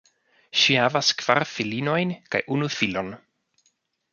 Ŝi havas kvar filinojn kaj unu filon.